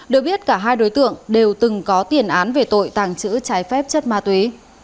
được biết cả hai đối tượng đều từng có tiền án về tội tàng trữ trái phép chất ma túy